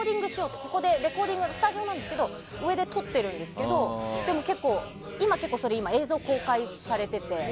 レコーディングスタジオなんですけど上でとってるんですけど今結構、映像が公開されてて。